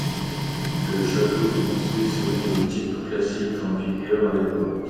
Le château est construit selon le style classique en vigueur à l'époque.